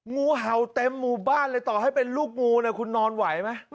งูเห่าเต็มหมู่บ้านเลยต่อให้เป็นลูกงูเนี่ยคุณนอนไหวไหม